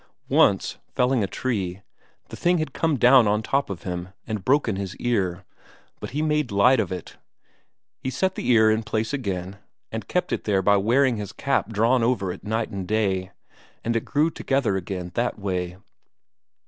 Once, felling a tree, the thing had come down on top of him, and broken his ear; but he made light of it. He set the ear in place again, and kept it there by wearing his cap drawn over it night and day, and it grew together again that way.